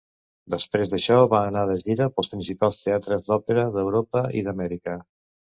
Després d'això va anar de gira pels principals teatres d'òpera d'Europa i d'Amèrica.